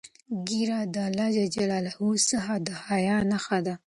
ږیره د الله جل جلاله څخه د حیا نښه ده.